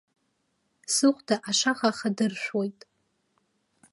Сыхәда ашаха ахадыршәуеит.